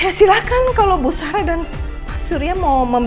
ya silahkan kalo bu sara dan pak sur hasta ini juga berani fluid